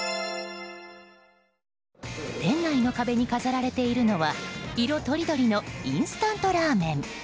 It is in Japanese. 店内の壁に飾られているのは色とりどりのインスタントラーメン。